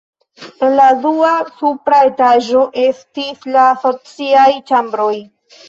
En la dua supra etaĝo estis la sociaj ĉambroj.